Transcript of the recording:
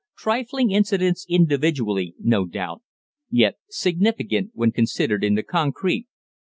Trifling incidents individually, no doubt, yet significant when considered in the concrete.